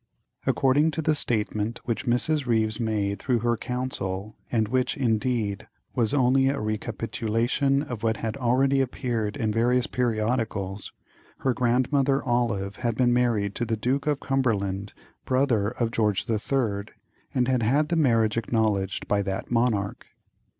According to the statement which Mrs. Ryves made through her counsel, and which, indeed, was only a recapitulation of what had already appeared in various periodicals, her grandmother Olive had been married to the Duke of Cumberland, brother of George the Third, and had had the marriage acknowledged by that monarch.